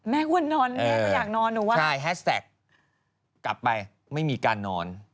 แม่ควรนอนแม่ควรอยากนอนหรือวะแฮชแท็กกลับไปไม่มีการนอน